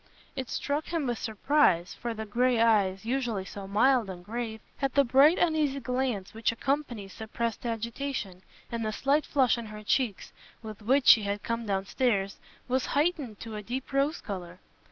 It struck him with surprise, for the grey eyes, usually so mild and grave, had the bright uneasy glance which accompanies suppressed agitation, and the slight flush in her cheeks, with which she had come downstairs, was heightened to a deep rose colour.